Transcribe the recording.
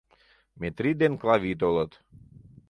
Метри ден Клави толыт.